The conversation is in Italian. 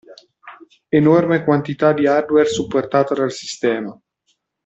Enorme quantità di hardware supportata dal sistema.